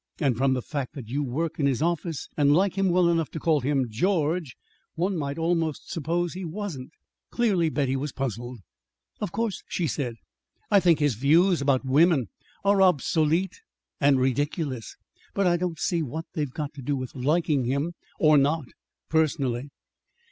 And from the fact that you work in his office and like him well enough to call him George one might almost suppose he wasn't." Clearly Betty was puzzled. "Of course," she said, "I think his views about women are obsolete and ridiculous. But I don't see what they've got to do with liking him or not, personally."